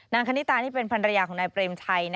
คณิตานี่เป็นภรรยาของนายเปรมชัย